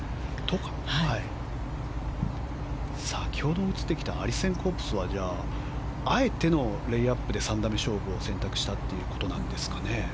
先ほど映ってきたアリセン・コープスはあえてのレイアップで３打目勝負を選択したということなんですかね。